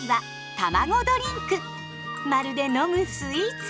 まるで飲むスイーツ。